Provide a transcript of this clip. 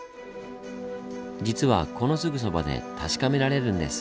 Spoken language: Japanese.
実はこのすぐそばで確かめられるんです。